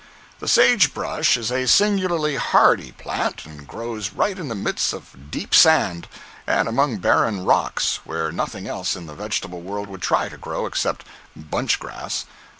The sage brush is a singularly hardy plant, and grows right in the midst of deep sand, and among barren rocks, where nothing else in the vegetable world would try to grow, except "bunch grass."